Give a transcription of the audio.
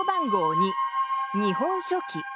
２「日本書紀」。